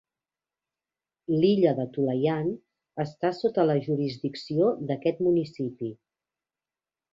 L'illa d'Atulayan està sota la jurisdicció d'aquest municipi.